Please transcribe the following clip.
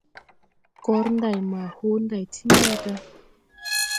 Gor nday ma hoo nday ti moda.